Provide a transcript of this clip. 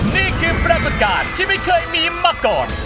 นี่คือแปลกอากาศที่ไม่เคยมีมาก่อน